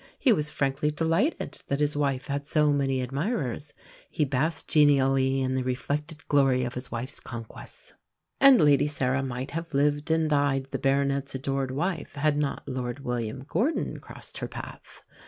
He was frankly delighted that his wife had so many admirers. He basked genially in the reflected glory of his wife's conquests! And Lady Sarah might have lived and died the baronet's adored wife had not Lord William Gordon crossed her path.